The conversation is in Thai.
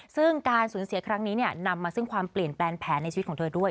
ซึ่งการสูญเสียครั้งนี้นำมาซึ่งความเปลี่ยนแปลงแผนในชีวิตของเธอด้วย